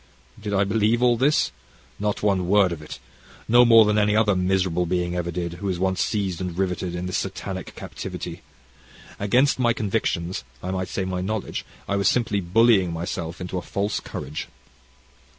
Did I believe all this? Not one word of it, no more than any other miserable being ever did who is once seized and riveted in this satanic captivity. Against my convictions, I might say my knowledge, I was simply bullying myself into a false courage.